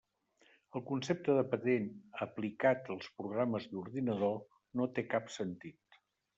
El concepte de patent, aplicat als programes d'ordinador, no té cap sentit.